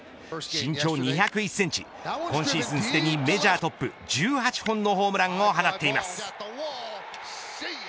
身長２０１センチ、今シーズンすでにメジャートップ１８本のホームランを放っています。